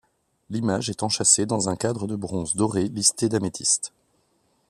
L'image est enchâssée dans un cadre de bronze doré listé d'améthystes.